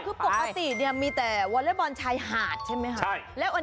ปกติเนี่ยมีแต่วอเลลและบอลไชร์หาดใช่มั้ยครับ